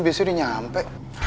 biasanya udah nyampe